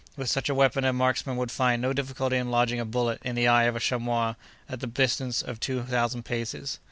With such a weapon a marksman would find no difficulty in lodging a bullet in the eye of a chamois at the distance of two thousand paces.